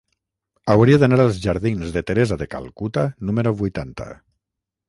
Hauria d'anar als jardins de Teresa de Calcuta número vuitanta.